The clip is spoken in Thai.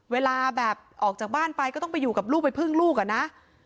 เวลาแบบออกจากบ้านไปก็ต้องไปอยู่กับลูกไปพึ่งลูกอะนะ